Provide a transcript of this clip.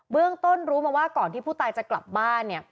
เรื่องต้นรู้มาว่าก่อนที่ผู้ตายจะกลับบ้านเนี่ย